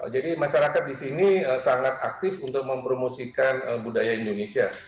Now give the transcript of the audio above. jadi masyarakat di sini sangat aktif untuk mempromosikan budaya indonesia